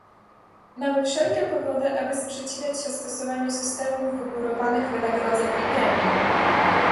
Mamy wszelkie powody, aby sprzeciwiać się stosowaniu systemów wygórowanych wynagrodzeń i premii